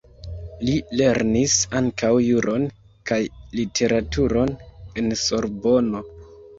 Li lernis ankaŭ juron kaj literaturon en Sorbono.